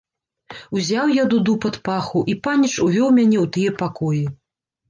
Узяў я дуду пад паху, і паніч увёў мяне ў тыя пакоі.